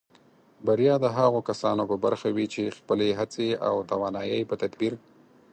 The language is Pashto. بریا د هغو کسانو په برخه وي چې خپلې هڅې او توانایۍ په تدبیر